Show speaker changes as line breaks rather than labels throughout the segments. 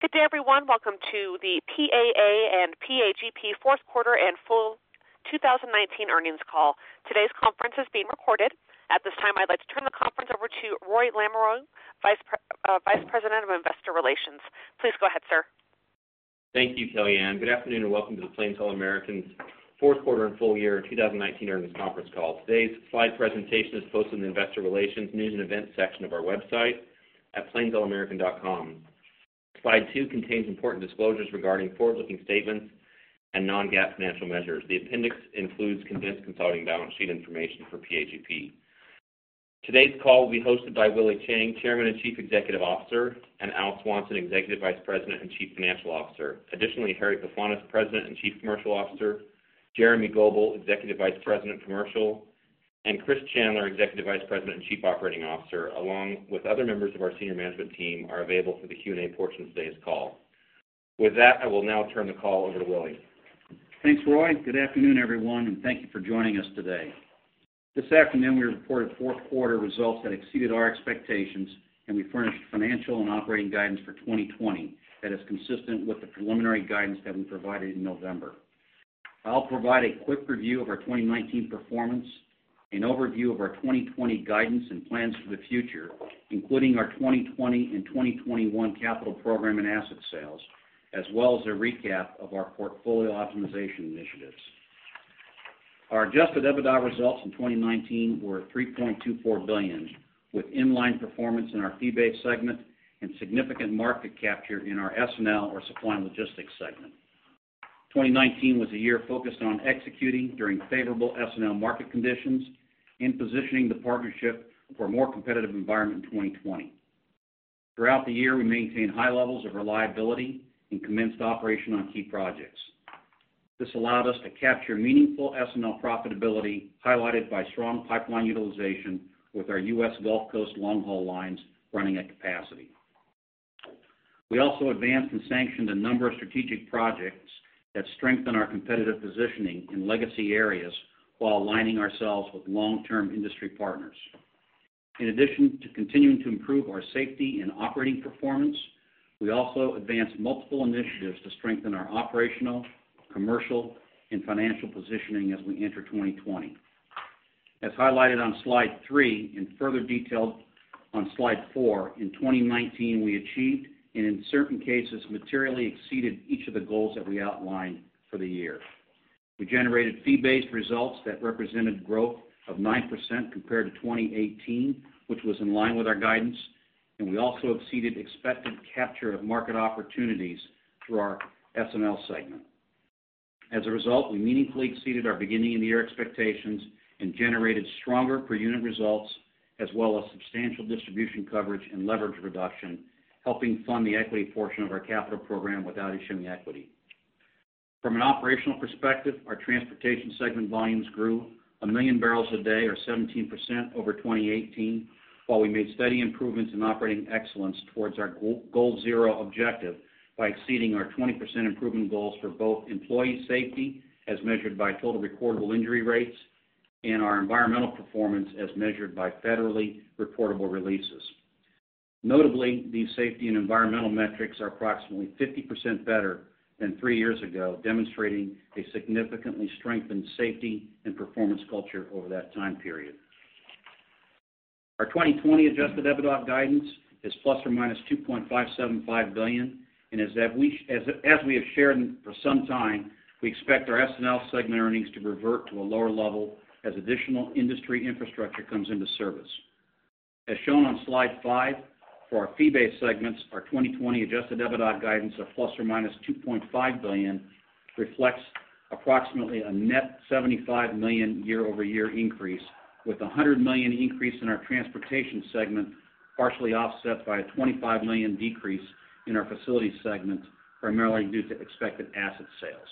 Good day, everyone. Welcome to the PAA and PAGP fourth quarter and full 2019 earnings call. Today's conference is being recorded. At this time, I'd like to turn the conference over to Roy Lamoreaux, Vice President of Investor Relations. Please go ahead, sir.
Thank you, Kellyanne. Good afternoon, and welcome to the Plains All American's fourth quarter and full year 2019 earnings conference call. Today's slide presentation is posted in the investor relations news and events section of our website at www.plains.com. Slide two contains important disclosures regarding forward-looking statements and non-GAAP financial measures. The appendix includes condensed consolidating balance sheet information for PAGP. Today's call will be hosted by Willie Chiang, Chairman and Chief Executive Officer, and Al Swanson, Executive Vice President and Chief Financial Officer. Additionally, Harry Pefanis, President and Chief Commercial Officer, Jeremy Goebel, Executive Vice President Commercial, and Chris Chandler, Executive Vice President and Chief Operating Officer, along with other members of our senior management team, are available for the Q&A portion of today's call. With that, I will now turn the call over to Willie.
Thanks, Roy. Good afternoon, everyone, and thank you for joining us today. This afternoon, we reported fourth quarter results that exceeded our expectations, and we furnished financial and operating guidance for 2020 that is consistent with the preliminary guidance that we provided in November. I'll provide a quick review of our 2019 performance, an overview of our 2020 guidance and plans for the future, including our 2020 and 2021 capital program and asset sales, as well as a recap of our portfolio optimization initiatives. Our adjusted EBITDA results in 2019 were $3.24 billion, with in-line performance in our fee-based segment and significant market capture in our S&L or supply and logistics segment. 2019 was a year focused on executing during favorable S&L market conditions and positioning the partnership for a more competitive environment in 2020. Throughout the year, we maintained high levels of reliability and commenced operation on key projects. This allowed us to capture meaningful S&L profitability, highlighted by strong pipeline utilization with our U.S. Gulf Coast long-haul lines running at capacity. We also advanced and sanctioned a number of strategic projects that strengthen our competitive positioning in legacy areas while aligning ourselves with long-term industry partners. In addition to continuing to improve our safety and operating performance, we also advanced multiple initiatives to strengthen our operational, commercial, and financial positioning as we enter 2020. As highlighted on slide three, and further detailed on slide four, in 2019, we achieved, and in certain cases, materially exceeded each of the goals that we outlined for the year. We generated fee-based results that represented growth of 9% compared to 2018, which was in line with our guidance, and we also exceeded expected capture of market opportunities through our S&L segment. As a result, we meaningfully exceeded our beginning-of-the-year expectations and generated stronger per-unit results, as well as substantial distribution coverage and leverage reduction, helping fund the equity portion of our capital program without issuing equity. From an operational perspective, our transportation segment volumes grew 1 MMbpd, or 17%, over 2018, while we made steady improvements in operating excellence towards our Goal Zero objective by exceeding our 20% improvement goals for both employee safety, as measured by total recordable injury rates, and our environmental performance, as measured by federally reportable releases. Notably, these safety and environmental metrics are approximately 50% better than three years ago, demonstrating a significantly strengthened safety and performance culture over that time period. Our 2020 adjusted EBITDA guidance is ±$2.575 billion, and as we have shared for some time, we expect our S&L segment earnings to revert to a lower level as additional industry infrastructure comes into service. As shown on slide five, for our fee-based segments, our 2020 adjusted EBITDA guidance of ±$2.5 billion reflects approximately a net $75 million year-over-year increase, with the $100 million increase in our transportation segment partially offset by a $25 million decrease in our facilities segment, primarily due to expected asset sales.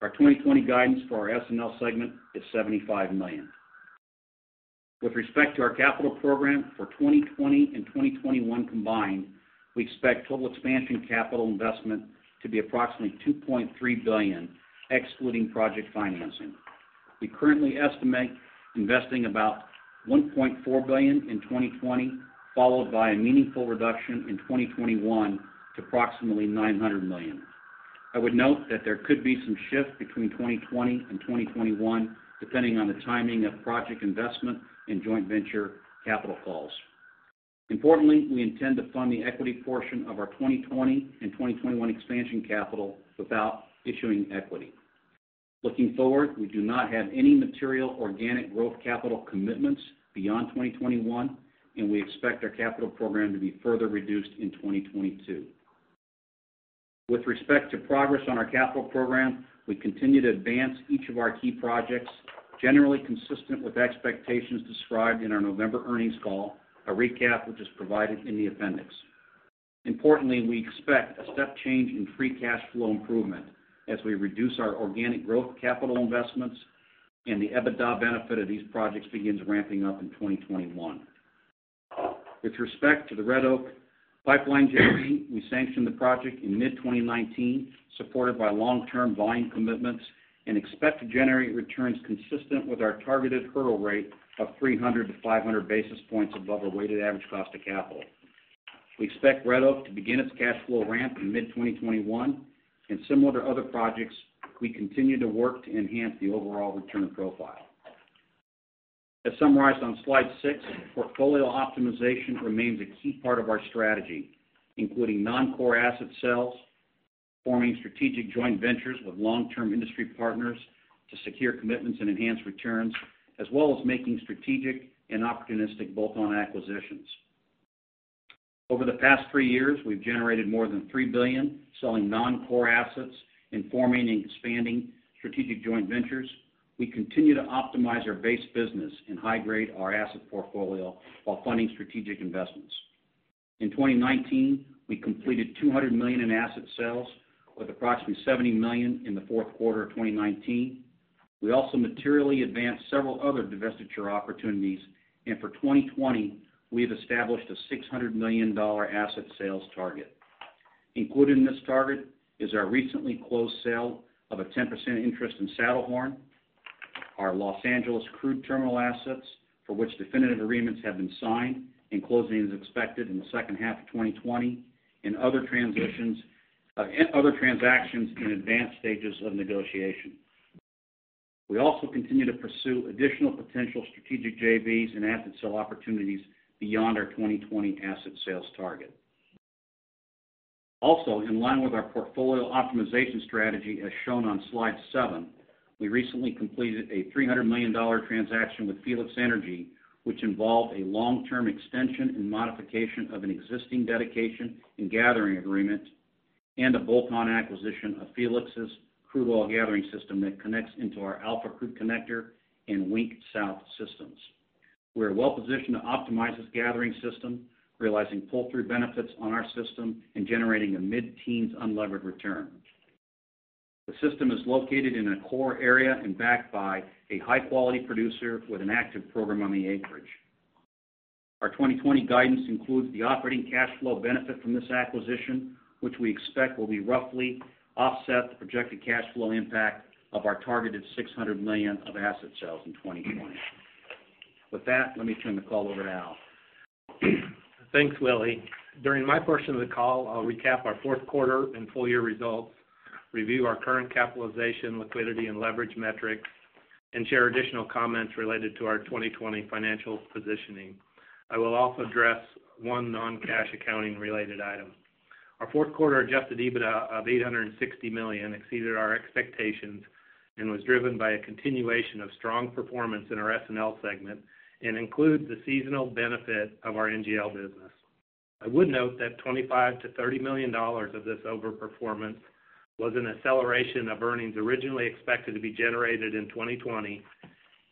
Our 2020 guidance for our S&L segment is $75 million. With respect to our capital program for 2020 and 2021 combined, we expect total expansion capital investment to be approximately $2.3 billion, excluding project financing. We currently estimate investing about $1.4 billion in 2020, followed by a meaningful reduction in 2021 to approximately $900 million. I would note that there could be some shift between 2020 and 2021, depending on the timing of project investment and joint venture capital calls. Importantly, we intend to fund the equity portion of our 2020 and 2021 expansion capital without issuing equity. Looking forward, we do not have any material organic growth capital commitments beyond 2021, and we expect our capital program to be further reduced in 2022. With respect to progress on our capital program, we continue to advance each of our key projects, generally consistent with expectations described in our November earnings call, a recap which is provided in the appendix. Importantly, we expect a step change in free cash flow improvement as we reduce our organic growth capital investments and the EBITDA benefit of these projects begins ramping up in 2021. With respect to the Red Oak Pipeline GP, we sanctioned the project in mid-2019, supported by long-term volume commitments, and expect to generate returns consistent with our targeted hurdle rate of 300-500 basis points above our weighted average cost of capital. We expect Red Oak to begin its cash flow ramp in mid-2021, and similar to other projects, we continue to work to enhance the overall return profile. As summarized on slide six, portfolio optimization remains a key part of our strategy, including non-core asset sales, forming strategic joint ventures with long-term industry partners to secure commitments and enhance returns, as well as making strategic and opportunistic bolt-on acquisitions. Over the past three years, we've generated more than $3 billion selling non-core assets and forming and expanding strategic joint ventures. We continue to optimize our base business and high-grade our asset portfolio while funding strategic investments. In 2019, we completed $200 million in asset sales, with approximately $70 million in the fourth quarter of 2019. We also materially advanced several other divestiture opportunities. For 2020, we have established a $600 million asset sales target. Included in this target is our recently closed sale of a 10% interest in Saddlehorn, our Los Angeles crude terminal assets, for which definitive agreements have been signed, and closing is expected in the second half of 2020, and other transactions in advanced stages of negotiation. We also continue to pursue additional potential strategic JVs and asset sale opportunities beyond our 2020 asset sales target. Also, in line with our portfolio optimization strategy as shown on slide seven, we recently completed a $300 million transaction with Felix Energy, which involved a long-term extension and modification of an existing dedication and gathering agreement, and a bolt-on acquisition of Felix's crude oil gathering system that connects into our Alpha Crude Connector and Wink South systems. We are well positioned to optimize this gathering system, realizing pull-through benefits on our system and generating a mid-teens unlevered return. The system is located in a core area and backed by a high-quality producer with an active program on the acreage. Our 2020 guidance includes the operating cash flow benefit from this acquisition, which we expect will be roughly offset the projected cash flow impact of our targeted $600 million of asset sales in 2020. With that, let me turn the call over to Al.
Thanks, Willie. During my portion of the call, I'll recap our fourth quarter and full-year results, review our current capitalization, liquidity, and leverage metrics, and share additional comments related to our 2020 financial positioning. I will also address one non-cash accounting related item. Our fourth quarter adjusted EBITDA of $860 million exceeded our expectations and was driven by a continuation of strong performance in our S&L segment and includes the seasonal benefit of our NGL business. I would note that $25 million-$30 million of this over-performance was an acceleration of earnings originally expected to be generated in 2020.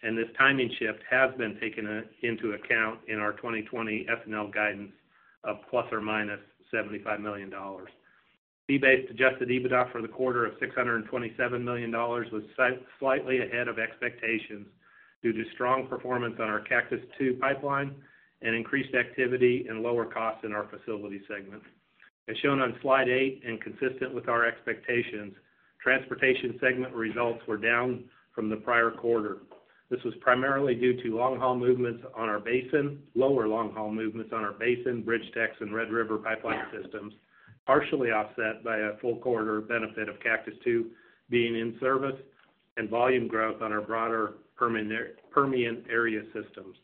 This timing shift has been taken into account in our 2020 S&L guidance of ±$75 million. Fee-based adjusted EBITDA for the quarter of $627 million was slightly ahead of expectations due to strong performance on our Cactus II pipeline and increased activity and lower costs in our facility segment. As shown on slide eight and consistent with our expectations, transportation segment results were down from the prior quarter. This was primarily due to lower long-haul movements on our Basin, BridgeTex, and Red River pipeline systems, partially offset by a full quarter benefit of Cactus II being in service and volume growth on our broader Permian area systems.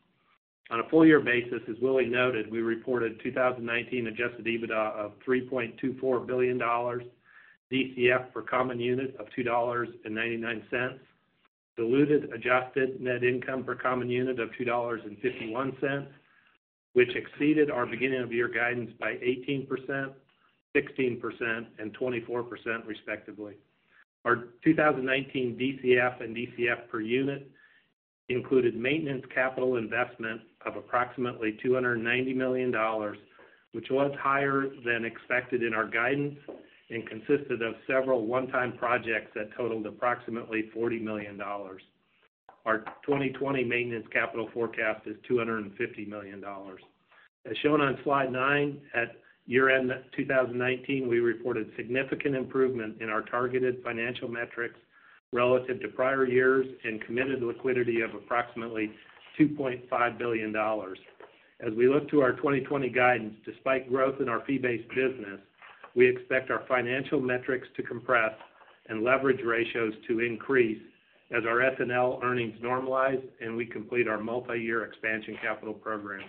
On a full-year basis, as Willie noted, we reported 2019 adjusted EBITDA of $3.24 billion, DCF per common unit of $2.99, diluted adjusted net income per common unit of $2.51, which exceeded our beginning of year guidance by 18%, 16%, and 24% respectively. Our 2019 DCF and DCF per unit included maintenance capital investment of approximately $290 million, which was higher than expected in our guidance and consisted of several one-time projects that totaled approximately $40 million. Our 2020 maintenance capital forecast is $250 million. As shown on slide nine, at year-end 2019, we reported significant improvement in our targeted financial metrics relative to prior years and committed liquidity of approximately $2.5 billion. As we look to our 2020 guidance, despite growth in our fee-based business, we expect our financial metrics to compress and leverage ratios to increase as our S&L earnings normalize and we complete our multi-year expansion capital program.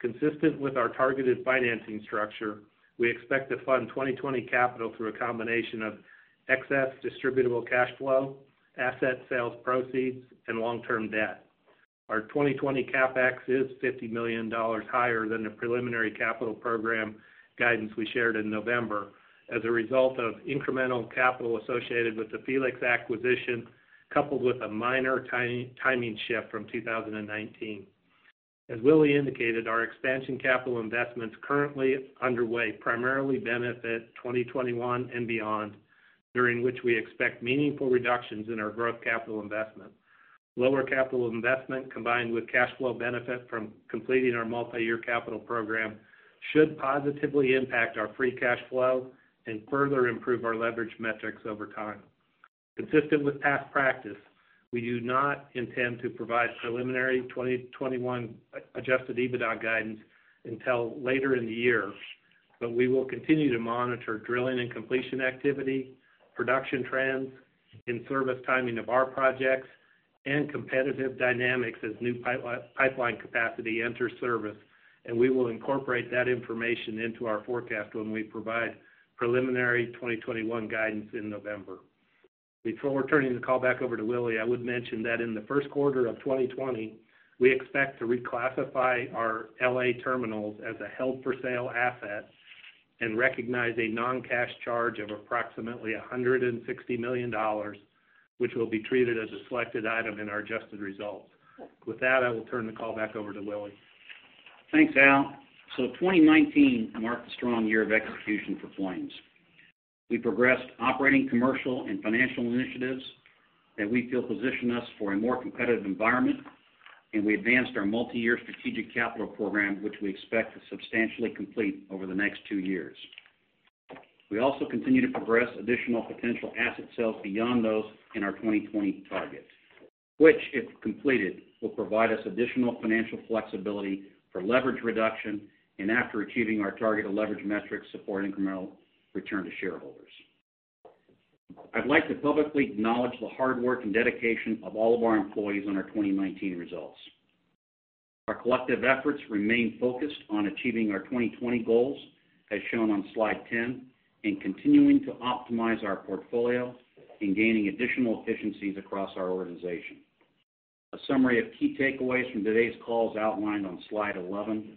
Consistent with our targeted financing structure, we expect to fund 2020 capital through a combination of excess distributable cash flow, asset sales proceeds, and long-term debt. Our 2020 CapEx is $50 million higher than the preliminary capital program guidance we shared in November as a result of incremental capital associated with the Felix acquisition, coupled with a minor timing shift from 2019. As Willie indicated, our expansion capital investments currently underway primarily benefit 2021 and beyond, during which we expect meaningful reductions in our growth capital investment. Lower capital investment, combined with cash flow benefit from completing our multi-year capital program, should positively impact our free cash flow and further improve our leverage metrics over time. Consistent with past practice, we do not intend to provide preliminary 2021 adjusted EBITDA guidance until later in the year. We will continue to monitor drilling and completion activity, production trends, in-service timing of our projects, and competitive dynamics as new pipeline capacity enters service, and we will incorporate that information into our forecast when we provide preliminary 2021 guidance in November. Before turning the call back over to Willie, I would mention that in the first quarter of 2020, we expect to reclassify our L.A. terminals as a held-for-sale asset and recognize a non-cash charge of approximately $160 million, which will be treated as a selected item in our adjusted results. With that, I will turn the call back over to Willie.
Thanks, Al. 2019 marked a strong year of execution for Plains. We progressed operating commercial and financial initiatives that we feel position us for a more competitive environment, and we advanced our multi-year strategic capital program, which we expect to substantially complete over the next two years. We also continue to progress additional potential asset sales beyond those in our 2020 targets, which, if completed, will provide us additional financial flexibility for leverage reduction, and after achieving our target of leverage metrics, support incremental return to shareholders. I'd like to publicly acknowledge the hard work and dedication of all of our employees on our 2019 results. Our collective efforts remain focused on achieving our 2020 goals, as shown on slide ten, and continuing to optimize our portfolio and gaining additional efficiencies across our organization. A summary of key takeaways from today's call is outlined on slide eleven.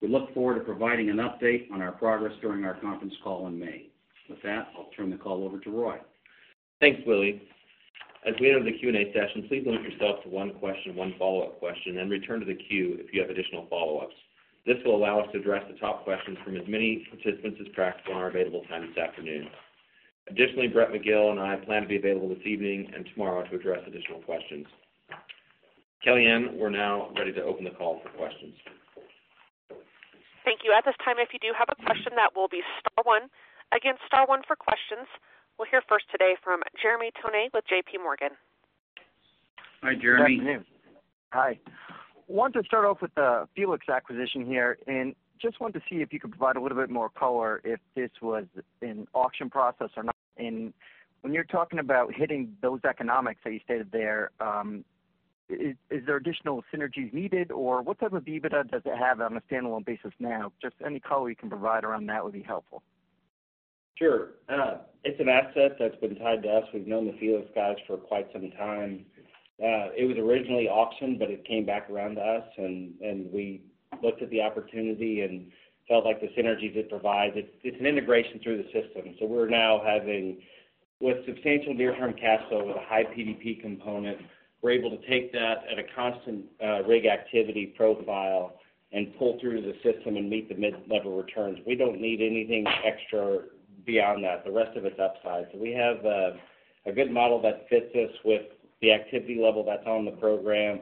We look forward to providing an update on our progress during our conference call in May. With that, I'll turn the call over to Roy.
Thanks, Willie. As we enter the Q&A session, please limit yourself to one question, one follow-up question, and return to the queue if you have additional follow-ups. This will allow us to address the top questions from as many participants as practical in our available time this afternoon. Additionally, Brett McGill and I plan to be available this evening and tomorrow to address additional questions. Kellyanne, we're now ready to open the call for questions.
Thank you. At this time, if you do have a question, that will be star one. Again, star one for questions. We'll hear first today from Jeremy Tonet with JPMorgan.
Hi, Jeremy.
Good afternoon. Hi. Wanted to start off with the Felix acquisition here and just wanted to see if you could provide a little bit more color if this was an auction process or not, and when you're talking about hitting those economics that you stated there, is there additional synergies needed, or what type of EBITDA does it have on a standalone basis now? Just any color you can provide around that would be helpful.
Sure. It's an asset that's been tied to us. We've known the Felix guys for quite some time. It was originally auctioned, but it came back around to us, and we looked at the opportunity and felt like the synergies it provides. It's an integration through the system. We're now with substantial near-term cash flow with a high PDP component, we're able to take that at a constant rig activity profile and pull through the system and meet the mid-level returns. We don't need anything extra beyond that. The rest of it's upside. We have a good model that fits us with the activity level that's on the program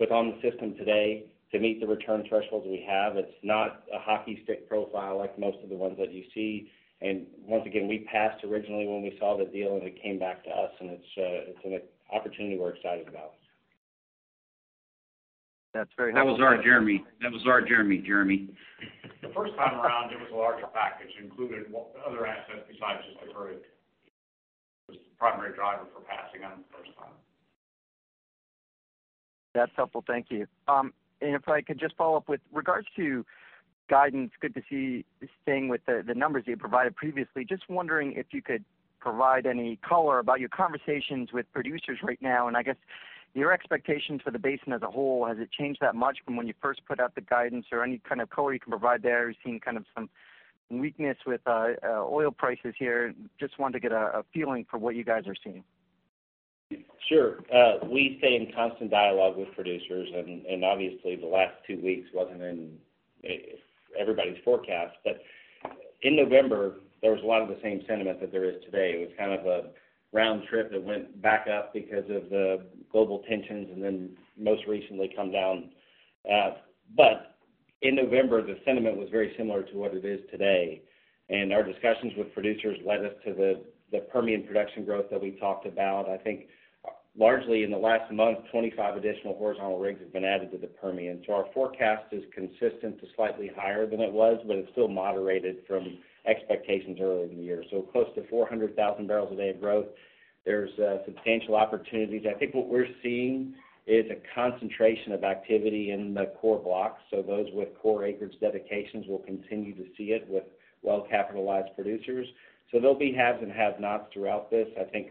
with on the system today to meet the return thresholds we have. It's not a hockey stick profile like most of the ones that you see. Once again, we passed originally when we saw the deal, and it came back to us, and it's an opportunity we're excited about.
That's very helpful.
That was our Jeremy.
The first time around, it was a larger package. Included other assets besides just the crude. It was the primary driver for passing on it the first time.
That's helpful. Thank you. If I could just follow up with regards to guidance, good to see you staying with the numbers that you provided previously. Just wondering if you could provide any color about your conversations with producers right now, and I guess your expectations for the basin as a whole. Has it changed that much from when you first put out the guidance? Any kind of color you can provide there? We're seeing kind of some weakness with oil prices here. Just wanted to get a feeling for what you guys are seeing.
Sure. We stay in constant dialogue with producers, and obviously the last two weeks wasn't in everybody's forecast. In November, there was a lot of the same sentiment that there is today. It was kind of a round trip that went back up because of the global tensions and then most recently come down. In November, the sentiment was very similar to what it is today, and our discussions with producers led us to the Permian production growth that we talked about. I think largely in the last month, 25 additional horizontal rigs have been added to the Permian. Our forecast is consistent to slightly higher than it was, but it's still moderated from expectations earlier in the year. Close to 400,000 bbl a day of growth. There's substantial opportunities. I think what we're seeing is a concentration of activity in the core blocks. Those with core acreage dedications will continue to see it with well-capitalized producers. There'll be haves and have-nots throughout this. I think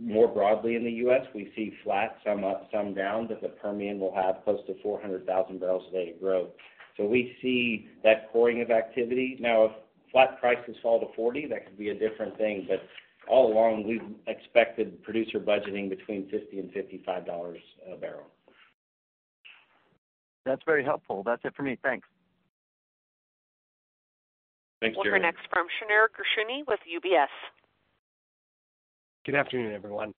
more broadly in the U.S., we see flat, some up, some down, but the Permian will have close to 400,000 bbl a day of growth. We see that coring of activity. Now, if flat prices fall to $40, that could be a different thing, all along, we've expected producer budgeting between $50 and $55 a barrel.
That's very helpful. That's it for me. Thanks.
Thanks, Jeremy.
We'll hear next from Shneur Gershuni with UBS.
Good afternoon, everyone.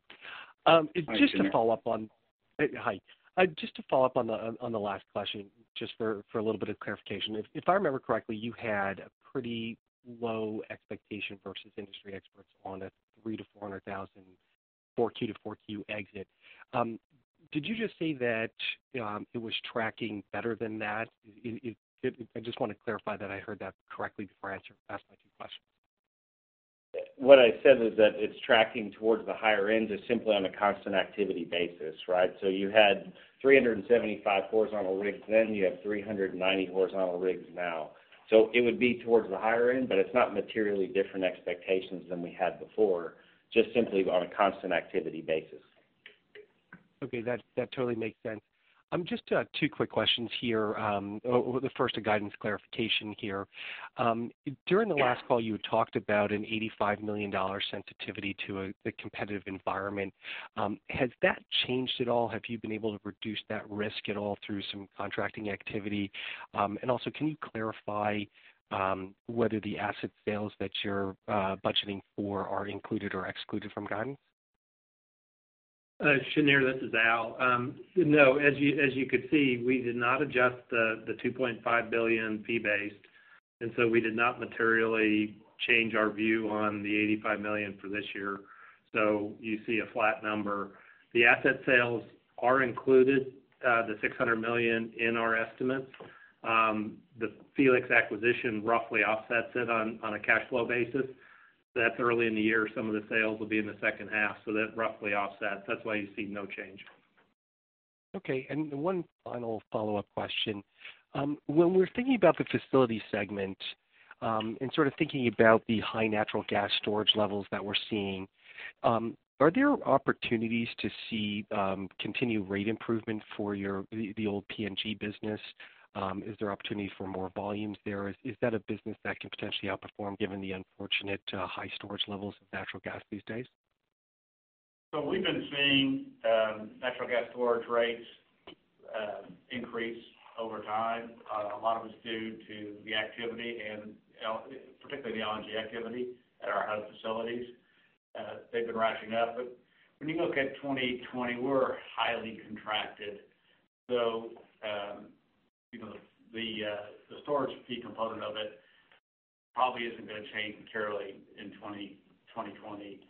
Hi, Shneur.
Hi. Just to follow up on the last question, just for a little bit of clarification. If I remember correctly, you had a pretty low expectation versus industry experts on a 300,000-400,000 4Q to 4Q exit. Did you just say that it was tracking better than that? I just want to clarify that I heard that correctly before I ask my two questions.
What I said is that it's tracking towards the higher end is simply on a constant activity basis, right? You had 375 horizontal rigs then, you have 390 horizontal rigs now. It would be towards the higher end, but it's not materially different expectations than we had before, just simply on a constant activity basis.
Okay. That totally makes sense. Just two quick questions here. The first, a guidance clarification here.
Yeah.
During the last call, you had talked about an $85 million sensitivity to the competitive environment. Has that changed at all? Have you been able to reduce that risk at all through some contracting activity? Can you clarify whether the asset sales that you're budgeting for are included or excluded from guidance?
Shneur, this is Al. No. As you could see, we did not adjust the $2.5 billion fee-based. We did not materially change our view on the $85 million for this year. You see a flat number. The asset sales are included, the $600 million in our estimates. The Felix acquisition roughly offsets it on a cash flow basis. That is early in the year. Some of the sales will be in the second half. That roughly offsets. That is why you see no change.
Okay. One final follow-up question. When we're thinking about the facility segment, and sort of thinking about the high natural gas storage levels that we're seeing, are there opportunities to see continued rate improvement for the old PNG business? Is there opportunity for more volumes there? Is that a business that can potentially outperform given the unfortunate high storage levels of natural gas these days?
We've been seeing natural gas storage rates increase over time. A lot of it's due to the activity and particularly the LNG activity at our hub facilities. They've been rising up. When you look at 2020, we're highly contracted. The storage fee component of it probably isn't going to change materially in 2020.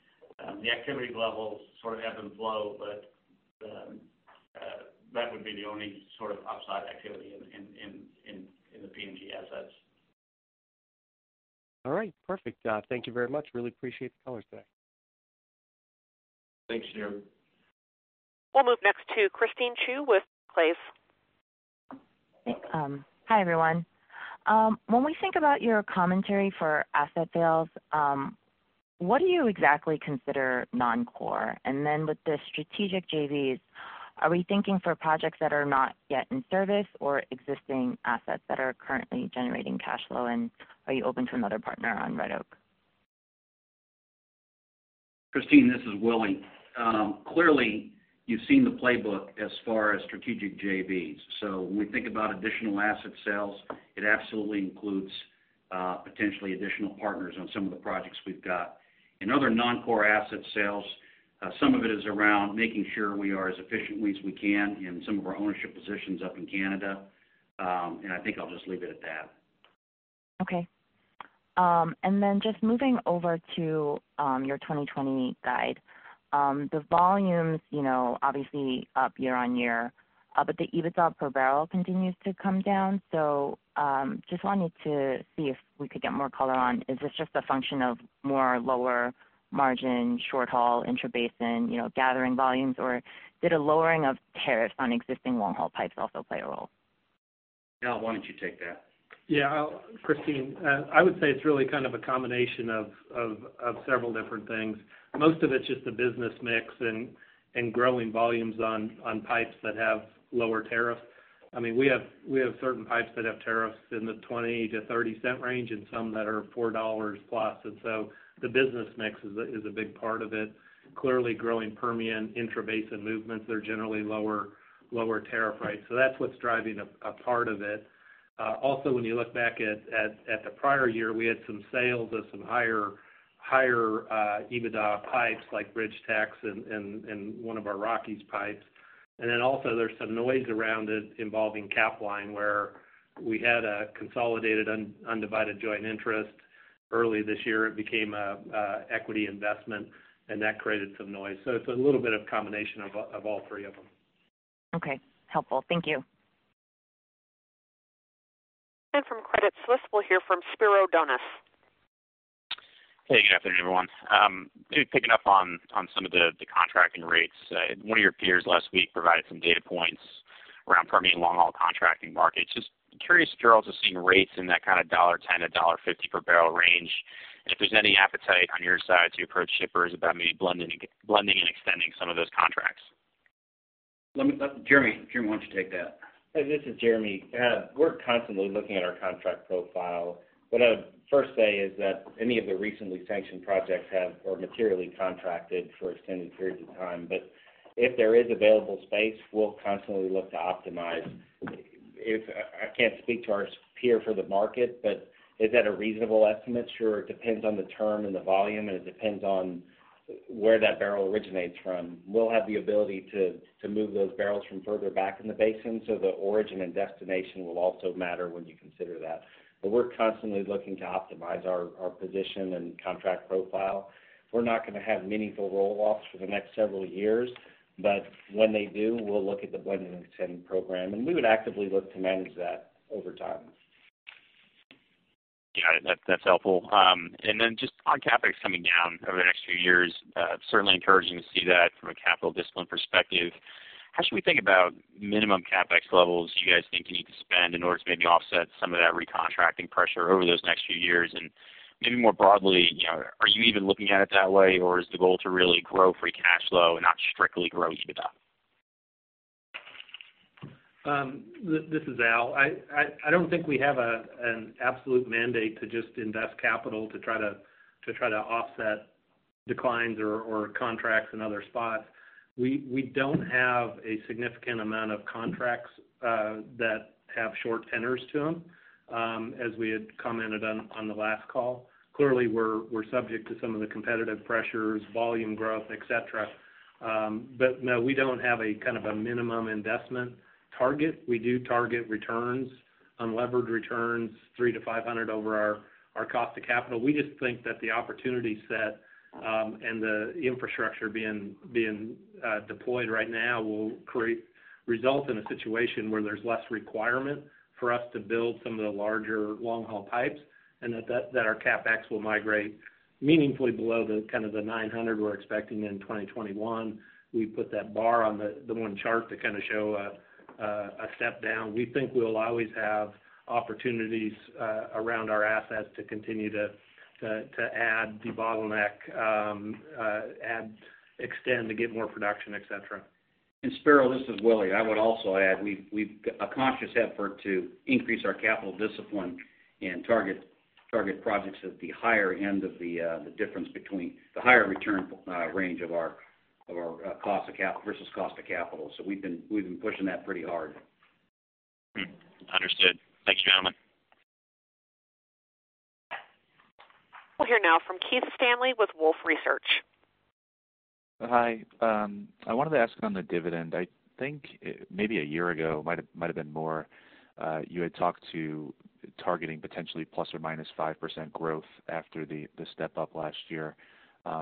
The activity levels sort of ebb and flow, but that would be the only sort of upside activity in the PNG assets.
All right, perfect. Thank you very much. Really appreciate the color today.
Thanks, Shneur.
We'll move next to Christine Cho with Barclays.
Hi, everyone. When we think about your commentary for asset sales, what do you exactly consider non-core? With the strategic JVs, are we thinking for projects that are not yet in service or existing assets that are currently generating cash flow, and are you open to another partner on Red Oak?
Christine, this is Willie. Clearly, you've seen the playbook as far as strategic JVs. When we think about additional asset sales, it absolutely includes potentially additional partners on some of the projects we've got. In other non-core asset sales, some of it is around making sure we are as efficiently as we can in some of our ownership positions up in Canada. I think I'll just leave it at that.
Okay. Just moving over to your 2020 guide. The volumes obviously up year-over-year, the EBITDA per barrel continues to come down. Just wanted to see if we could get more color on, is this just a function of more lower margin short haul intrabasin gathering volumes, or did a lowering of tariffs on existing long-haul pipes also play a role?
Al, why don't you take that?
Yeah. Christine, I would say it's really kind of a combination of several different things. Most of it's just the business mix and growing volumes on pipes that have lower tariffs. We have certain pipes that have tariffs in the $0.20-$0.30 range and some that are $4+, the business mix is a big part of it. Clearly growing Permian intrabasin movements, they're generally lower tariff rates. That's what's driving a part of it. Also, when you look back at the prior year, we had some sales of some higher EBITDA pipes like BridgeTex and one of our Rockies pipes. There's some noise around it involving Capline, where we had a consolidated undivided joint interest early this year. It became an equity investment, and that created some noise. It's a little bit of combination of all three of them.
Okay. Helpful. Thank you.
From Credit Suisse, we'll hear from Spiro Dounis.
Hey, good afternoon, everyone. Maybe picking up on some of the contracting rates. One of your peers last week provided some data points around Permian long-haul contracting markets. Just curious if you all just seeing rates in that kind of $1.10-$1.50 per barrel range. If there's any appetite on your side to approach shippers about maybe blending and extending some of those contracts.
Jeremy, why don't you take that?
Hey, this is Jeremy. We're constantly looking at our contract profile. What I would first say is that any of the recently sanctioned projects have or materially contracted for extended periods of time. If there is available space, we'll constantly look to optimize. I can't speak to our peer for the market, but is that a reasonable estimate? Sure. It depends on the term and the volume, and it depends on where that barrel originates from. We'll have the ability to move those barrels from further back in the basin, so the origin and destination will also matter when you consider that. We're constantly looking to optimize our position and contract profile. We're not going to have meaningful roll-offs for the next several years. When they do, we'll look at the blend and extend program, and we would actively look to manage that over time.
Got it. That's helpful. Just on CapEx coming down over the next few years, certainly encouraging to see that from a capital discipline perspective. How should we think about minimum CapEx levels you guys think you need to spend in order to maybe offset some of that recontracting pressure over those next few years? Maybe more broadly, are you even looking at it that way, or is the goal to really grow free cash flow and not strictly grow EBITDA?
This is Al. I don't think we have an absolute mandate to just invest capital to try to offset declines or contracts in other spots. We don't have a significant amount of contracts that have short tenors to them, as we had commented on the last call. Clearly, we're subject to some of the competitive pressures, volume growth, et cetera. No, we don't have a kind of a minimum investment target. We do target returns, unlevered returns, $300 milliom-$500 million over our cost to capital. We just think that the opportunity set, and the infrastructure being deployed right now will result in a situation where there's less requirement for us to build some of the larger long-haul pipes, and that our CapEx will migrate meaningfully below the kind of the $900 million we're expecting in 2021. We put that bar on the one chart to kind of show a step down. We think we'll always have opportunities around our assets to continue to add debottleneck, and extend to get more production, et cetera.
Spiro, this is Willie. I would also add, we've a conscious effort to increase our capital discipline and target projects at the higher end of the difference between the higher return range of our versus cost of capital. We've been pushing that pretty hard.
Understood. Thanks, gentlemen.
We'll hear now from Keith Stanley with Wolfe Research.
Hi. I wanted to ask on the dividend. I think maybe a year ago, might have been more, you had talked to targeting potentially ±5% growth after the step-up last year.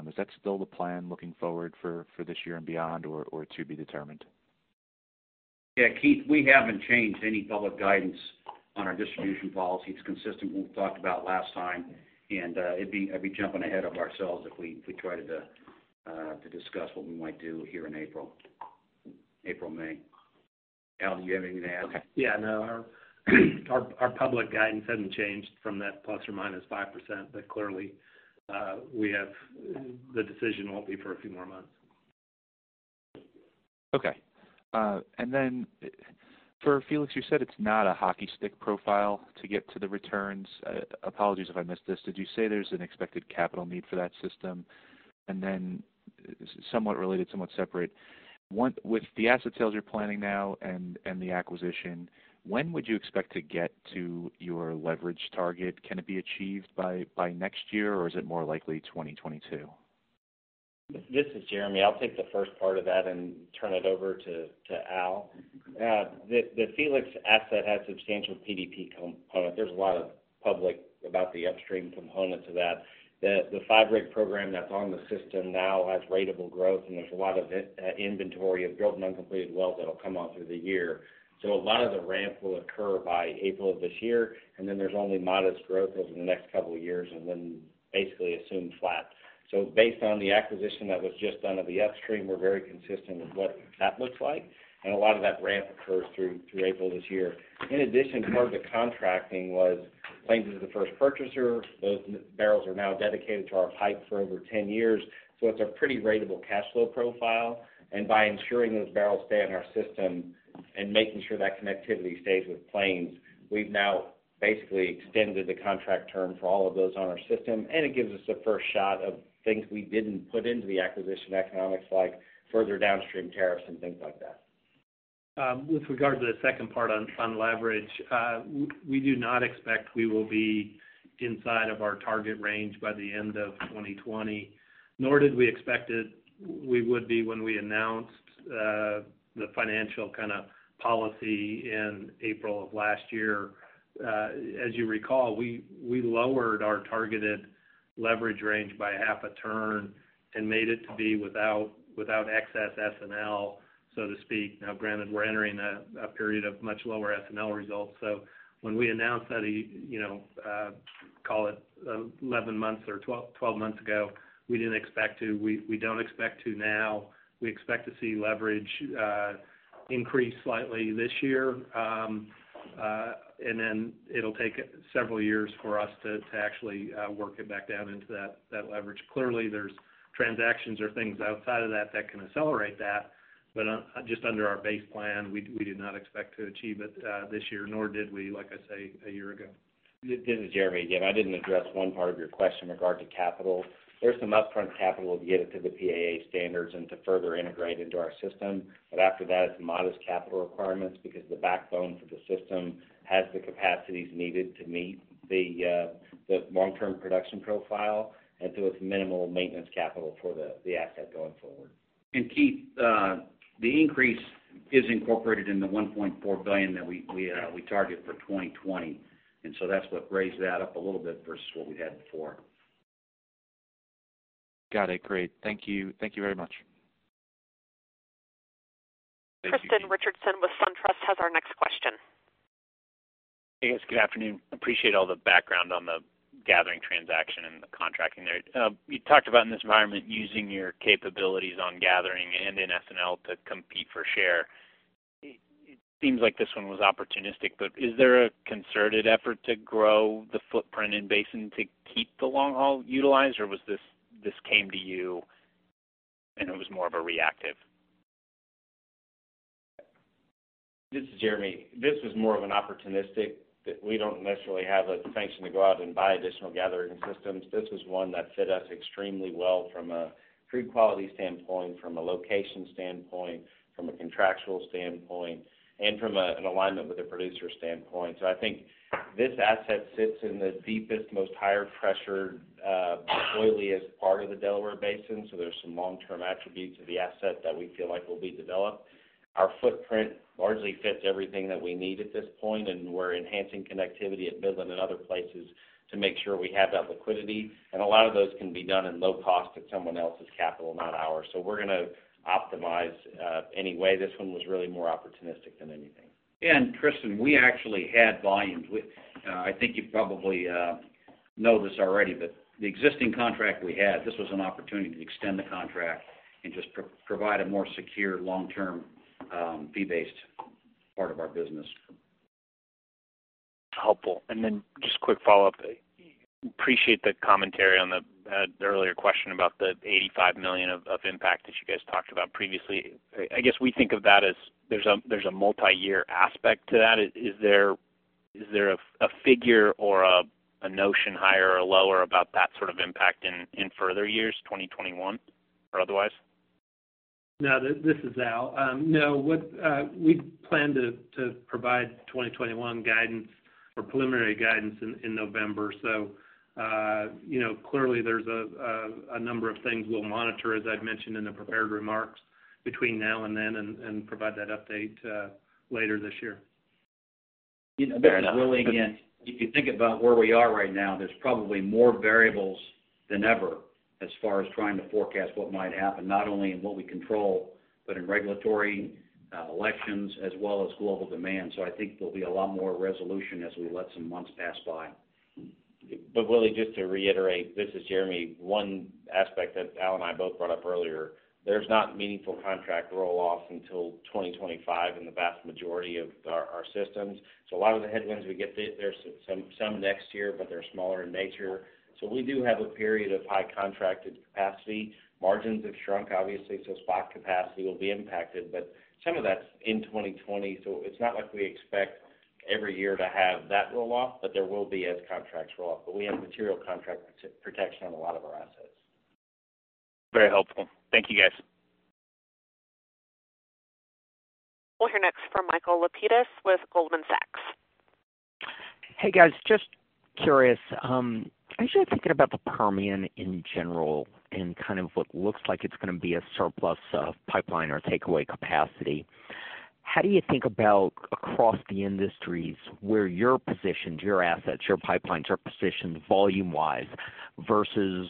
Is that still the plan looking forward for this year and beyond, or to be determined?
Yeah, Keith, we haven't changed any public guidance on our distribution policy. It's consistent what we talked about last time. It'd be jumping ahead of ourselves if we try to discuss what we might do here in April. April, May. Al, do you have anything to add?
Yeah, no. Our public guidance hasn't changed from that ±5%, but clearly, the decision won't be for a few more months.
Okay. For Felix, you said it's not a hockey stick profile to get to the returns. Apologies if I missed this. Did you say there's an expected capital need for that system? Somewhat related, somewhat separate, with the asset sales you're planning now and the acquisition, when would you expect to get to your leverage target? Can it be achieved by next year, or is it more likely 2022?
This is Jeremy. I'll take the first part of that and turn it over to Al. The Felix asset has substantial PDP component. There's a lot of public about the upstream component to that. The five-rig program that's on the system now has ratable growth, and there's a lot of inventory of drilled and uncompleted wells that'll come on through the year. A lot of the ramp will occur by April of this year, and then there's only modest growth over the next couple of years, and then basically assume flat. Based on the acquisition that was just done of the upstream, we're very consistent with what that looks like. A lot of that ramp occurs through to April this year. In addition, part of the contracting was Plains is the first purchaser. Those barrels are now dedicated to our pipe for over 10 years. It's a pretty ratable cash flow profile. By ensuring those barrels stay in our system and making sure that connectivity stays with Plains, we've now basically extended the contract term for all of those on our system, and it gives us a first shot of things we didn't put into the acquisition economics, like further downstream tariffs and things like that.
With regard to the second part on leverage, we do not expect we will be inside of our target range by the end of 2020, nor did we expect it we would be when we announced the financial kind of policy in April of last year. As you recall, we lowered our targeted leverage range by half a turn and made it to be without excess S&L, so to speak. Now granted, we're entering a period of much lower S&L results. When we announced that, call it 11 months or 12 months ago, we didn't expect to. We don't expect to now. We expect to see leverage increase slightly this year. Then it'll take several years for us to actually work it back down into that leverage. Clearly, there's transactions or things outside of that that can accelerate that. Just under our base plan, we did not expect to achieve it this year, nor did we, like I say, a year ago.
This is Jeremy again. I didn't address one part of your question in regard to capital. There's some upfront capital to get it to the PAA standards and to further integrate into our system. After that, it's modest capital requirements because the backbone for the system has the capacities needed to meet the long-term production profile, and so it's minimal maintenance capital for the asset going forward.
Keith, the increase is incorporated in the $1.4 billion that we target for 2020. That's what raised that up a little bit versus what we had before.
Got it. Great. Thank you. Thank you very much.
Tristan Richardson with SunTrust has our next question.
Hey, guys. Good afternoon. Appreciate all the background on the gathering transaction and the contracting there. You talked about in this environment using your capabilities on gathering and in S&L to compete for share. It seems like this one was opportunistic, but is there a concerted effort to grow the footprint in basin to keep the long haul utilized? Or this came to you and it was more of a reactive?
This is Jeremy. This was more of an opportunistic. We don't necessarily have a function to go out and buy additional gathering systems. This was one that fit us extremely well from a crude quality standpoint, from a location standpoint, from a contractual standpoint, and from an alignment with the producer standpoint. I think this asset sits in the deepest, most higher pressured, oiliest part of the Delaware Basin, so there's some long-term attributes of the asset that we feel like will be developed. Our footprint largely fits everything that we need at this point, and we're enhancing connectivity at Midland and other places to make sure we have that liquidity. A lot of those can be done in low cost with someone else's capital, not ours. We're going to optimize anyway. This one was really more opportunistic than anything.
Yeah. Tristan, we actually had volumes. I think you probably know this already, but the existing contract we had, this was an opportunity to extend the contract and just provide a more secure, long-term, fee-based part of our business.
Helpful. Just quick follow-up. Appreciate the commentary on the earlier question about the $85 million of impact that you guys talked about previously. I guess we think of that as there's a multi-year aspect to that. Is there a figure or a notion higher or lower about that sort of impact in further years, 2021 or otherwise?
No. This is Al. We plan to provide 2021 guidance or preliminary guidance in November. Clearly, there's a number of things we'll monitor, as I'd mentioned in the prepared remarks between now and then, and provide that update later this year.
Fair enough.
This is Willie again. If you think about where we are right now, there's probably more variables than ever as far as trying to forecast what might happen, not only in what we control, but in regulatory, elections, as well as global demand. I think there'll be a lot more resolution as we let some months pass by.
Willie, just to reiterate, this is Jeremy, one aspect that Al and I both brought up earlier, there's not meaningful contract roll-off until 2025 in the vast majority of our systems. A lot of the headwinds we get, there's some next year, but they're smaller in nature. We do have a period of high contracted capacity. Margins have shrunk, obviously, so spot capacity will be impacted, but some of that's in 2020, so it's not like we expect every year to have that roll-off, but there will be as contracts roll off. We have material contract protection on a lot of our assets.
Very helpful. Thank you, guys.
We'll hear next from Michael Lapides with Goldman Sachs.
Hey, guys. Just curious, as you're thinking about the Permian in general and kind of what looks like it's going to be a surplus of pipeline or takeaway capacity, how do you think about across the industries where your positions, your assets, your pipelines are positioned volume-wise versus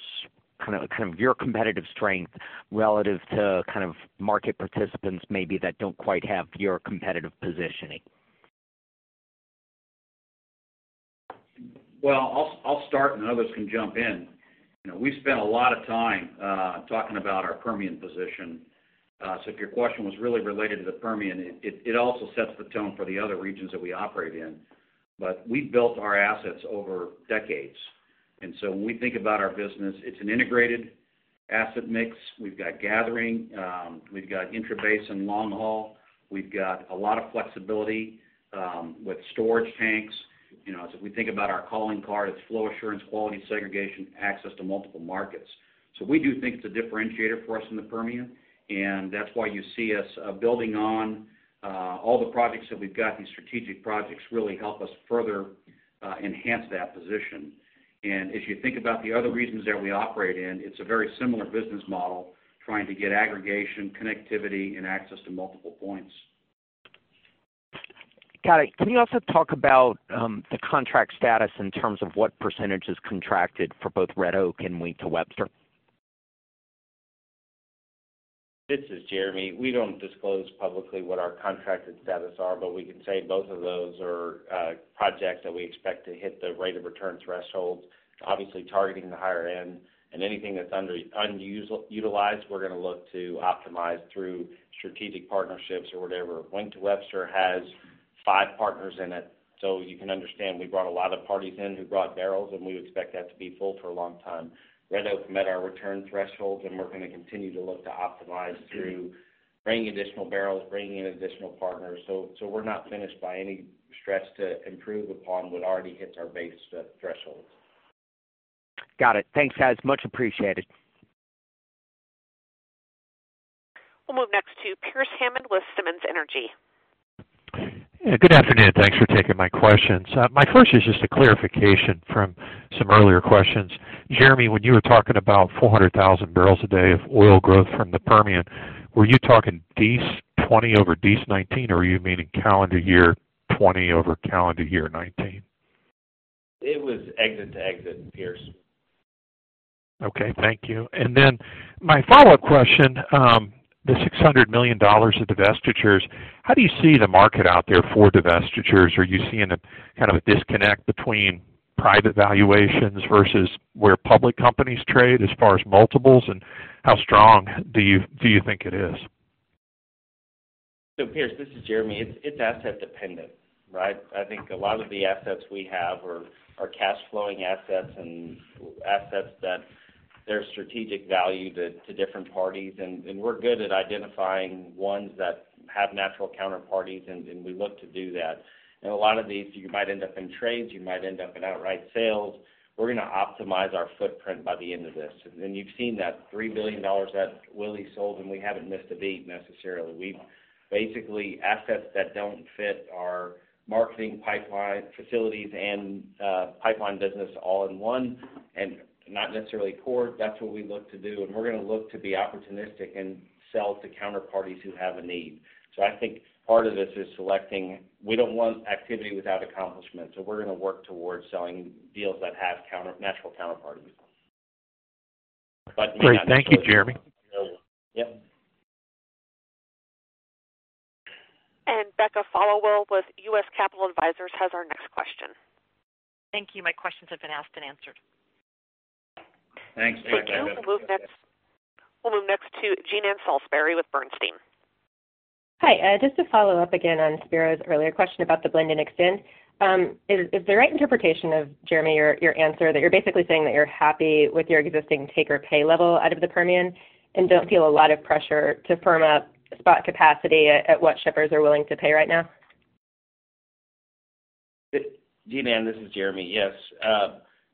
kind of your competitive strength relative to kind of market participants maybe that don't quite have your competitive positioning?
I'll start and others can jump in. We've spent a lot of time talking about our Permian position. If your question was really related to the Permian, it also sets the tone for the other regions that we operate in. We built our assets over decades, and so when we think about our business, it's an integrated asset mix. We've got gathering, we've got intrabasin long haul, we've got a lot of flexibility with storage tanks. As we think about our calling card, it's flow assurance, quality segregation, access to multiple markets. We do think it's a differentiator for us in the Permian, and that's why you see us building on all the projects that we've got. These strategic projects really help us further enhance that position. If you think about the other regions that we operate in, it's a very similar business model, trying to get aggregation, connectivity, and access to multiple points.
Got it. Can you also talk about the contract status in terms of what percentage is contracted for both Red Oak and Wink to Webster?
This is Jeremy. We don't disclose publicly what our contracted status are, but we can say both of those are projects that we expect to hit the rate of return thresholds, obviously targeting the higher end. Anything that's underutilized, we're going to look to optimize through strategic partnerships or whatever. Wink to Webster has five partners in it. You can understand we brought a lot of parties in who brought barrels, and we expect that to be full for a long time. Red Oak met our return thresholds, and we're going to continue to look to optimize through bringing additional barrels, bringing in additional partners. We're not finished by any stretch to improve upon what already hits our base thresholds.
Got it. Thanks, guys. Much appreciated.
We'll move next to Pearce Hammond with Simmons Energy.
Good afternoon. Thanks for taking my questions. My first is just a clarification from some earlier questions. Jeremy, when you were talking about 400,000 bbl a day of oil growth from the Permian, were you talking DEIS 2020 over DEIS 2019, or are you meaning calendar year 2020 over calendar year 2019?
It was exit to exit, Pearce.
Okay, thank you. My follow-up question, the $600 million of divestitures, how do you see the market out there for divestitures? Are you seeing kind of a disconnect between private valuations versus where public companies trade as far as multiples, and how strong do you think it is?
Pearce, this is Jeremy. It's asset dependent, right? I think a lot of the assets we have are cash flowing assets and assets that there's strategic value to different parties, and we're good at identifying ones that have natural counterparties, and we look to do that. A lot of these, you might end up in trades, you might end up in outright sales. We're going to optimize our footprint by the end of this. You've seen that $3 billion that Willie sold, and we haven't missed a beat necessarily. Basically, assets that don't fit our marketing pipeline facilities and pipeline business all in one, and not necessarily core, that's what we look to do. We're going to look to be opportunistic and sell to counterparties who have a need. I think part of this is selecting. We don't want activity without accomplishment, so we're going to work towards selling deals that have natural counterparties.
Great. Thank you, Jeremy.
Yep.
Becca Followill with U.S. Capital Advisors has our next question.
Thank you. My questions have been asked and answered.
Thanks.
We'll move next to Jean Ann Salisbury with Bernstein.
Hi. Just to follow up again on Spiro's earlier question about the blend and extend. Is the right interpretation of, Jeremy, your answer that you're basically saying that you're happy with your existing take or pay level out of the Permian and don't feel a lot of pressure to firm up spot capacity at what shippers are willing to pay right now?
Jean Ann, this is Jeremy. Yes.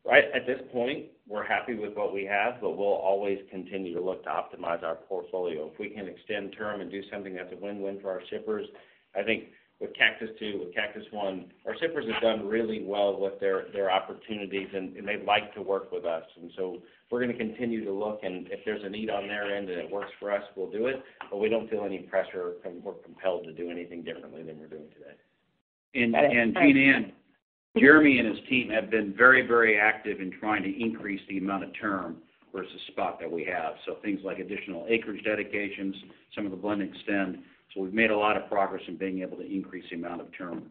Right at this point, we're happy with what we have, but we'll always continue to look to optimize our portfolio. If we can extend term and do something that's a win-win for our shippers, I think with Cactus II, with Cactus I, our shippers have done really well with their opportunities, and they like to work with us. We're going to continue to look, and if there's a need on their end and it works for us, we'll do it, but we don't feel any pressure or compelled to do anything differently than we're doing today.
Got it. Thanks.
Jean Ann, Jeremy and his team have been very, very active in trying to increase the amount of term versus spot that we have. Things like additional acreage dedications, some of the blend extend. We've made a lot of progress in being able to increase the amount of term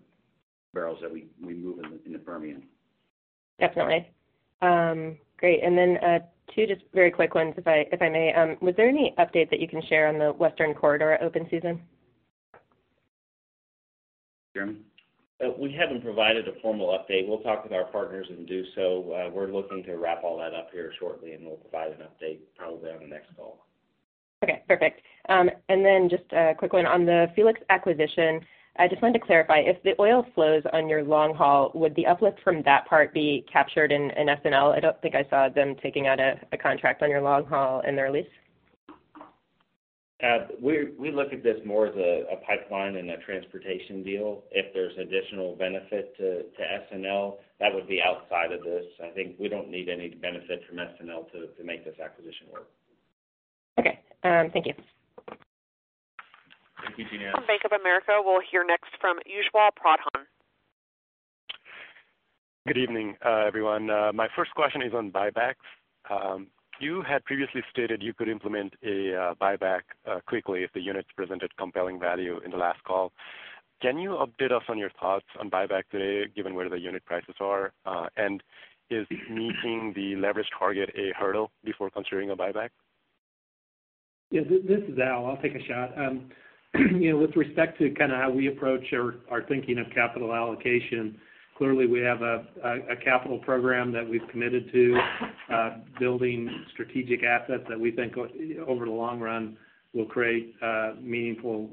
barrels that we move in the Permian.
Definitely. Great. Two just very quick ones, if I may. Was there any update that you can share on the Western Corridor open season?
Jeremy.
We haven't provided a formal update. We'll talk with our partners and do so. We're looking to wrap all that up here shortly, and we'll provide an update probably on the next call.
Okay, perfect. Just a quick one. On the Felix acquisition, I just wanted to clarify, if the oil flows on your long haul, would the uplift from that part be captured in S&L? I don't think I saw them taking out a contract on your long haul in their lease.
We look at this more as a pipeline and a transportation deal. If there's additional benefit to S&L, that would be outside of this. I think we don't need any benefit from S&L to make this acquisition work.
Okay. Thank you.
Thank you, Jean Ann.
From Bank of America, we'll hear next from Ujjwal Pradhan.
Good evening, everyone. My first question is on buybacks. You had previously stated you could implement a buyback quickly if the units presented compelling value in the last call. Can you update us on your thoughts on buyback today, given where the unit prices are? Is meeting the leverage target a hurdle before considering a buyback?
Yeah, this is Al. I'll take a shot. With respect to kind of how we approach our thinking of capital allocation, clearly we have a capital program that we've committed to building strategic assets that we think over the long run will create meaningful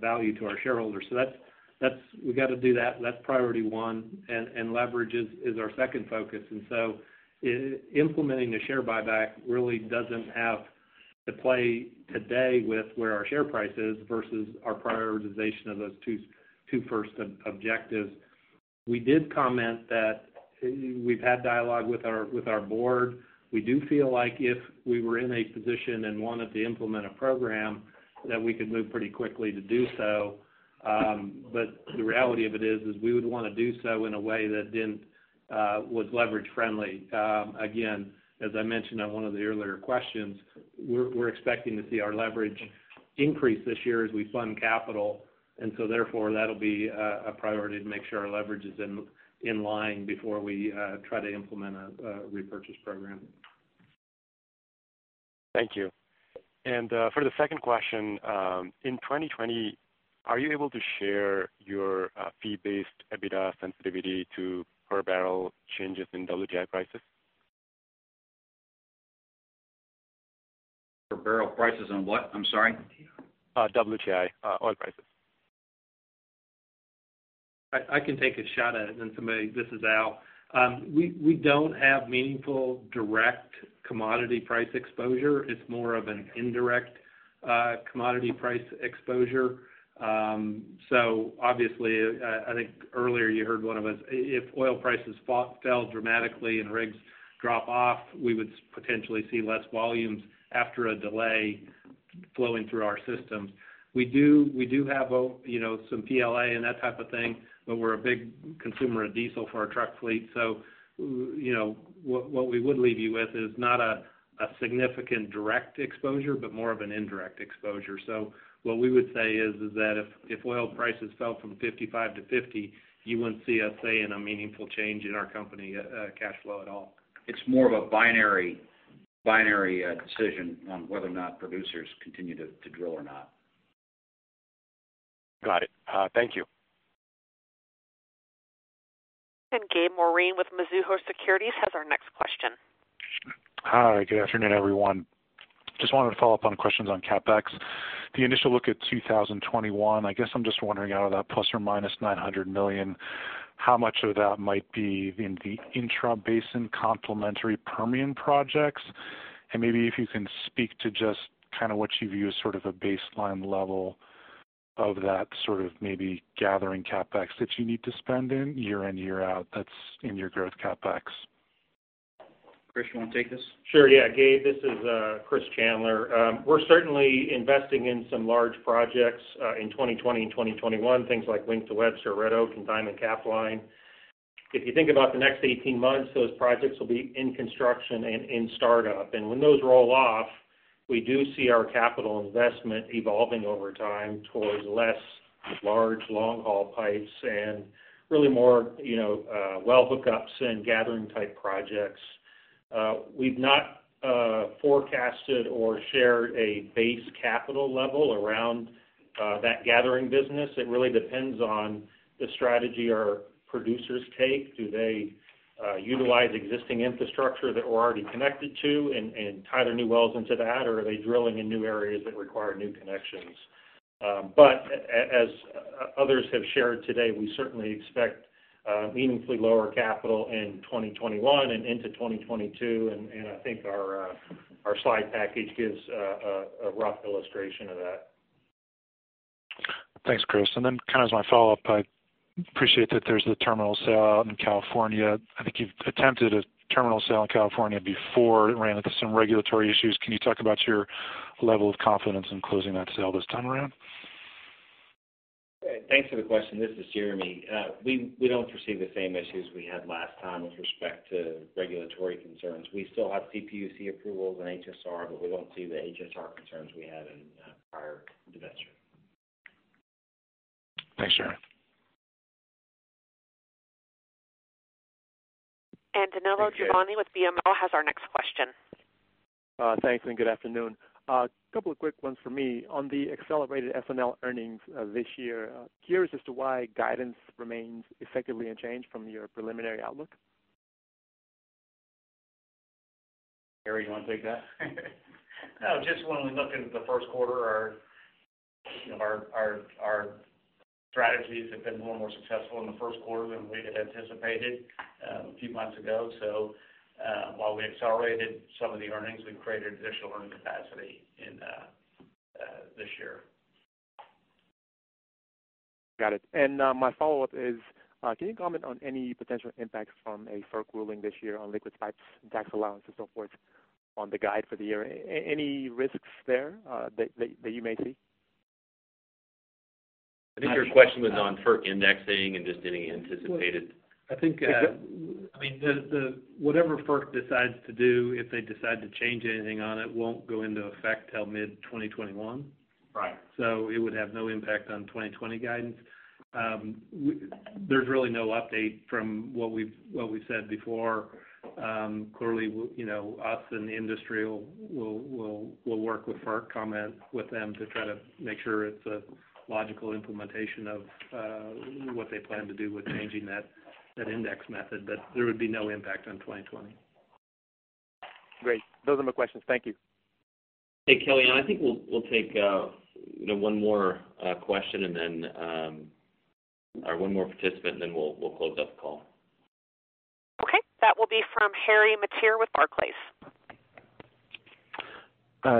value to our shareholders. We've got to do that. That's priority one, leverage is our second focus. Implementing a share buyback really doesn't have to play today with where our share price is versus our prioritization of those two first objectives. We did comment that we've had dialogue with our board. We do feel like if we were in a position and wanted to implement a program, that we could move pretty quickly to do so. The reality of it is we would want to do so in a way that then was leverage friendly. Again, as I mentioned on one of the earlier questions, we're expecting to see our leverage increase this year as we fund capital, and so therefore, that'll be a priority to make sure our leverage is in line before we try to implement a repurchase program.
Thank you. For the second question, in 2020, are you able to share your fee-based EBITDA sensitivity to per barrel changes in WTI prices?
Per barrel prices on what? I'm sorry.
WTI oil prices.
I can take a shot at it. This is Al. We don't have meaningful direct commodity price exposure. It's more of an indirect commodity price exposure. Obviously, I think earlier you heard one of us, if oil prices fell dramatically and rigs drop off, we would potentially see less volumes after a delay flowing through our systems. We do have some PLA and that type of thing, but we're a big consumer of diesel for our truck fleet. What we would leave you with is not a significant direct exposure, but more of an indirect exposure. What we would say is that if oil prices fell from $55 to $50, you wouldn't see us saying a meaningful change in our company cash flow at all.
It's more of a binary decision on whether or not producers continue to drill or not.
Got it. Thank you.
Gabe Moreen with Mizuho Securities has our next question.
Hi, good afternoon, everyone. Just wanted to follow up on questions on CapEx. The initial look at 2021, I guess I'm just wondering out of that ±$900 million, how much of that might be in the intra-basin complementary Permian projects? Maybe if you can speak to just what you view as sort of a baseline level of that sort of maybe gathering CapEx that you need to spend in year in, year out that's in your growth CapEx.
Chris, you want to take this?
Sure. Yeah, Gabe, this is Chris Chandler. We're certainly investing in some large projects in 2020 and 2021, things like Wink to Webster, Red Oak, and Diamond Capline. When those roll off, we do see our capital investment evolving over time towards less large long-haul pipes and really more well hookups and gathering type projects. We've not forecasted or shared a base capital level around that gathering business. It really depends on the strategy our producers take. Do they utilize existing infrastructure that we're already connected to and tie their new wells into that? Or are they drilling in new areas that require new connections? As others have shared today, we certainly expect meaningfully lower capital in 2021 and into 2022, and I think our slide package gives a rough illustration of that.
Thanks, Chris. Kind of as my follow-up, I appreciate that there's the terminal sale out in California. I think you've attempted a terminal sale in California before, ran into some regulatory issues. Can you talk about your level of confidence in closing that sale this time around?
Okay. Thanks for the question. This is Jeremy. We don't foresee the same issues we had last time with respect to regulatory concerns. We still have CPUC approvals and HSR. We don't see the HSR concerns we had in prior divesture.
Thanks, Jeremy.
Danilo Juvane with BMO has our next question.
Thanks. Good afternoon. A couple of quick ones from me. On the accelerated S&L earnings this year, curious as to why guidance remains effectively unchanged from your preliminary outlook.
Harry, you want to take that?
Just when we look into the first quarter, our strategies have been more and more successful in the first quarter than we had anticipated a few months ago. While we accelerated some of the earnings, we created additional earning capacity this year.
Got it. My follow-up is, can you comment on any potential impacts from a FERC ruling this year on liquid pipes, tax allowance, and so forth on the guide for the year? Any risks there that you may see?
I think your question was on FERC indexing and just getting anticipated.
I think, whatever FERC decides to do, if they decide to change anything on it, won't go into effect till mid-2021.
Right.
It would have no impact on 2020 guidance. There's really no update from what we've said before. Clearly, us and the industry will work with FERC, comment with them to try to make sure it's a logical implementation of what they plan to do with changing that index method, but there would be no impact on 2020.
Great. Those are my questions. Thank you.
Hey, Kelly, and I think we'll take one more question, or one more participant, and then we'll close up the call.
That will be from Harry Mateer with Barclays.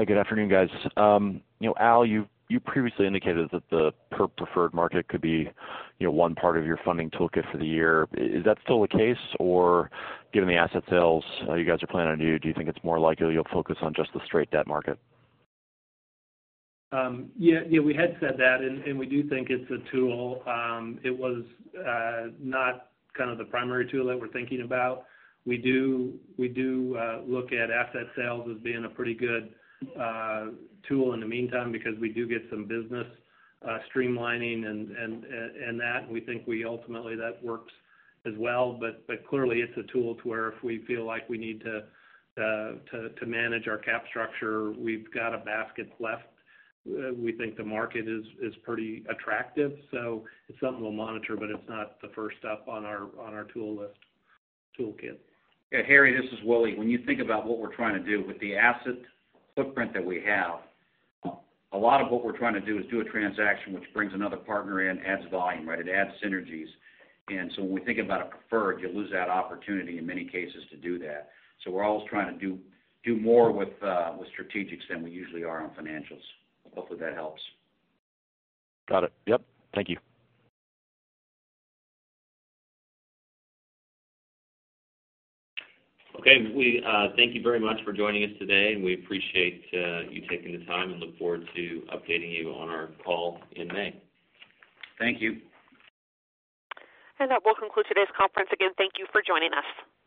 Good afternoon, guys. Al, you previously indicated that the preferred market could be one part of your funding toolkit for the year. Is that still the case? Or given the asset sales you guys are planning on doing, do you think it's more likely you'll focus on just the straight debt market?
Yeah, we had said that, and we do think it's a tool. It was not kind of the primary tool that we're thinking about. We do look at asset sales as being a pretty good tool in the meantime because we do get some business streamlining and that. We think ultimately that works as well. Clearly, it's a tool to where if we feel like we need to manage our cap structure, we've got a basket left. We think the market is pretty attractive, so it's something we'll monitor, but it's not the first step on our tool list, toolkit.
Yeah, Harry, this is Willie. When you think about what we're trying to do with the asset footprint that we have, a lot of what we're trying to do is do a transaction which brings another partner in, adds volume, right? It adds synergies. When we think about a preferred, you lose that opportunity in many cases to do that. We're always trying to do more with strategics than we usually are on financials. Hopefully, that helps.
Got it. Yep. Thank you.
Okay. We thank you very much for joining us today, and we appreciate you taking the time and look forward to updating you on our call in May.
Thank you.
That will conclude today's conference. Again, thank you for joining us.